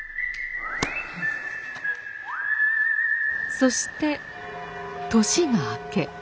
そして年が明け。